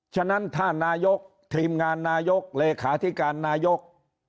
ฉะนั้นถ้านายกทีมงานนายกเลขาธิการนายก